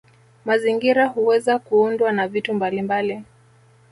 Mazingira huweza kuundwa na vitu mbalimbali